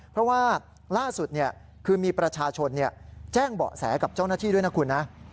เพราะว่าล่าสุดคือมีประชาชนแจ้งเบาะแสกับเจ้าหน้าที่ด้วยนะคุณนะ